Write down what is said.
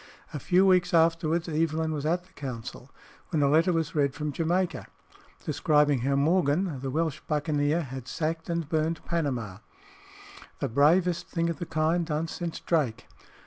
A few weeks afterwards Evelyn was at the council, when a letter was read from Jamaica, describing how Morgan, the Welsh buccaneer, had sacked and burned Panama; the bravest thing of the kind done since Drake.